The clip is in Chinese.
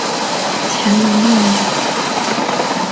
乾隆六年。